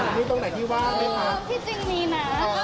นี่ตรงไหนที่ว่าไม่มีค่ะอืมที่จริงมีนะ